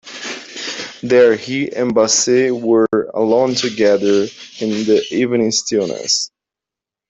There he and Bassett were, alone together in the evening stillness.